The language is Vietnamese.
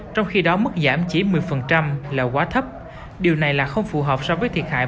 trong khi đó mức giảm chỉ một mươi là quá thấp điều này là không phù hợp so với thiệt hại